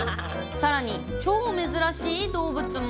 さらに、超珍しい動物も。